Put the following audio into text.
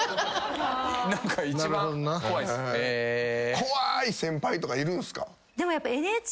怖い先輩とかいるんすか？